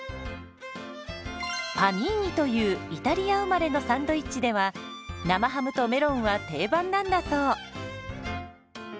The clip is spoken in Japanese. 「パニーニ」というイタリア生まれのサンドイッチでは生ハムとメロンは定番なんだそう。